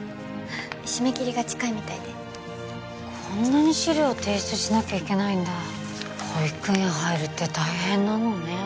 締め切りが近いみたいでこんなに資料提出しなきゃいけないんだ保育園入るって大変なのね